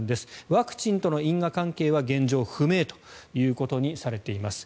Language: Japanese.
ワクチンとの因果関係は現状不明ということにされています。